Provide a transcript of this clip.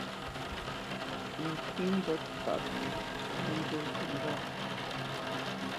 Nətsí mbót ŋkâʼ pʉ̌ ndá nzó təŋgáʼ.